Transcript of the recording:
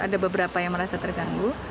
ada beberapa yang merasa terganggu